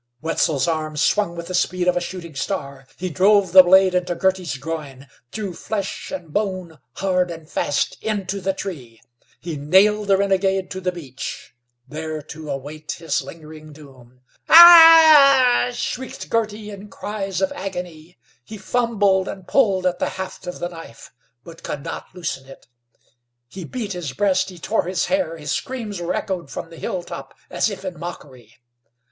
Wetzel's arm swung with the speed of a shooting star. He drove the blade into Girty's groin, through flesh and bone, hard and fast into the tree. He nailed the renegade to the beech, there to await his lingering doom. "Ah h! Ah h! Ah h!" shrieked Girty, in cries of agony. He fumbled and pulled at the haft of the knife, but could not loosen it. He beat his breast, he tore his hair. His screams were echoed from the hilltop as if in mockery.